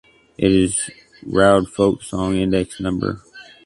It is Roud Folk Song Index no.